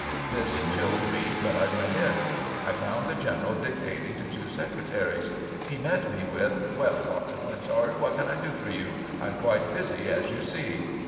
This chilled me, but I went in. I found the General dictating to two secretaries. He met me with: "Well, Dr. Quintard, what can I do for you? I am quite busy, as you see."